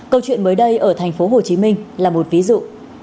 câu chuyện mới đây ở tp hcm là một ví dụ